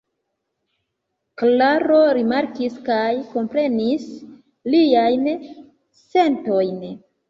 Klaro rimarkis kaj komprenis liajn sentojn.